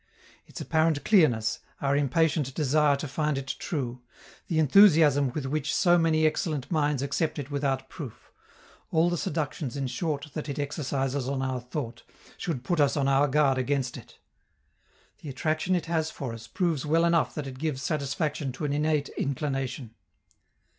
Its apparent clearness, our impatient desire to find it true, the enthusiasm with which so many excellent minds accept it without proof all the seductions, in short, that it exercises on our thought, should put us on our guard against it. The attraction it has for us proves well enough that it gives satisfaction to an innate inclination.